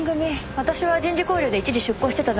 私は人事交流で一時出向してただけですから。